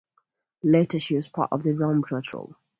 Later, she was part of the Rum Patrol.